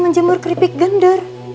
menjemur keripik gender